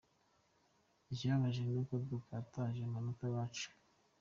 Ikibabaje ni uko dutakaje amanota iwacu.